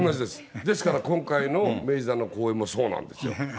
ですから今回の明治座の公演もそうなんですよ。